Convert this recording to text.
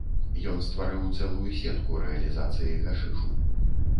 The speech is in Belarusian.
Ён стварыў цэлую сетку рэалізацыі гашышу.